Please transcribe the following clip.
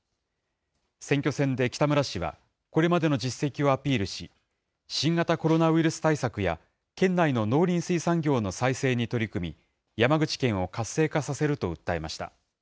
選挙戦で北村氏は、これまでの実績をアピールし、新型コロナウイルス対策や、県内の農林水産業の再生に取り組み、山口県を活性化させると訴えました。